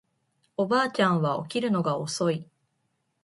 おばあちゃんは起きるのが遅い